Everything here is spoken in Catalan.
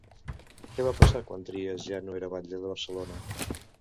Què va passar quan Trias ja no era batlle de Barcelona?